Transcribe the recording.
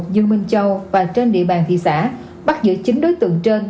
dương minh châu và trên địa bàn thị xã bắt giữ chín đối tượng trên